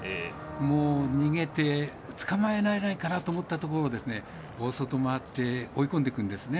もう、逃げて捕まえられないかなと思ったところを大外回って追い込んでくるんですね。